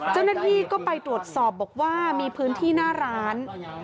เจ้าหน้าที่ก็ไปตรวจสอบบอกว่ามีพื้นที่หน้าร้าน